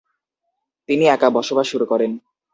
তিনি একা বসবাস শুরু করেন।